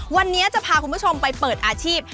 วันนี้จะพาคุณผู้ชมไปเปิดอาชีพ